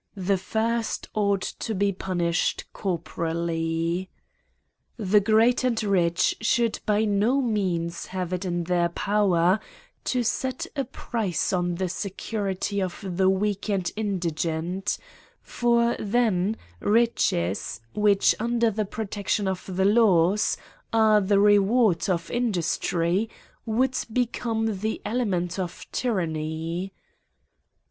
The first ought to be punished corporally. The great and rich should by no means have it in their power to set a price on the security of the weak and indigent ; for then riches, which, undipr the protection of the laws, are the reward of industry, would become the aliment of tyranny.